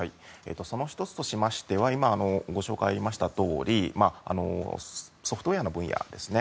その１つとしましては今、ご紹介ありましたとおりソフトウェアの分野ですね。